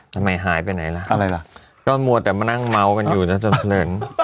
ทำไมหายไปไหนล่ะอะไรล่ะเป็นมาต์ไม้เม้ากันอยู่นะเนี้ย